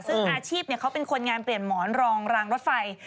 ซึ่งอาชีพเขาเป็นคนงานเปลี่ยนหมอนรองรางรถไฟ